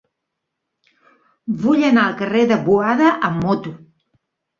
Vull anar al carrer de Boada amb moto.